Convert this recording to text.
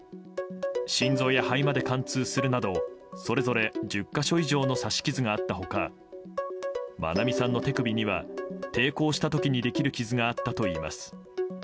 心臓や肺まで貫通するなどそれぞれ１０か所以上の刺し傷があった他愛美さんの手首には抵抗した時にできる傷があったといいます。